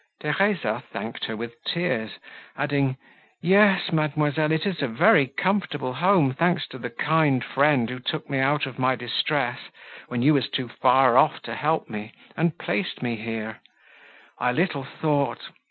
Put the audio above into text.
Theresa thanked her with tears, adding, "Yes, mademoiselle, it is a very comfortable home, thanks to the kind friend, who took me out of my distress, when you were too far off to help me, and placed me here! I little thought!